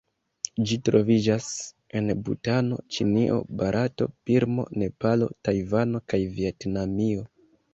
Ĝi troviĝas en Butano, Ĉinio, Barato, Birmo, Nepalo, Tajvano kaj Vjetnamio.